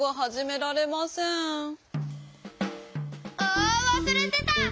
あわすれてた！